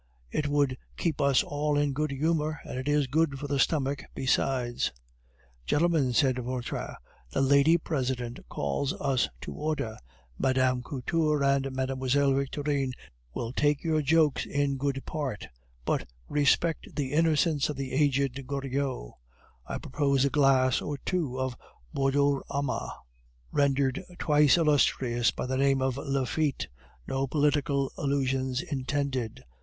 It would keep us all in a good humor, and it is good for the stomach besides." "Gentlemen," said Vautrin, "the Lady President calls us to order. Mme. Couture and Mlle. Victorine will take your jokes in good part, but respect the innocence of the aged Goriot. I propose a glass or two of Bordeauxrama, rendered twice illustrious by the name of Laffite, no political allusions intended.